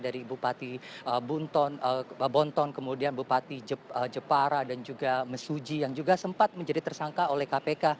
dari bupati bonton kemudian bupati jepara dan juga mesuji yang juga sempat menjadi tersangka oleh kpk